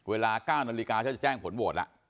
เวลา๙นาฬิกาจะแจ้งผลโหวตล่ะ